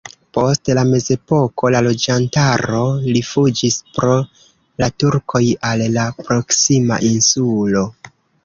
Post la mezepoko la loĝantaro rifuĝis pro la turkoj al la proksima insulo.